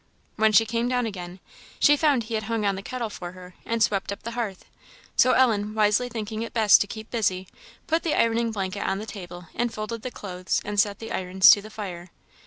When she came down again, she found he had hung on the kettle for her, and swept up the hearth; so Ellen, wisely thinking it best to keep busy, put the ironing blanket on the table, and folded the clothes, and set the irons to the fire.